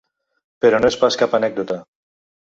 Però no és pas cap anècdota.